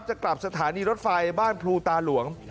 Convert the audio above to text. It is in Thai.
จะกลับสถานีรถไฟบ้านพลูตาหลวง